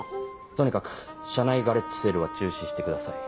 とにかく社内ガレージセールは中止してください。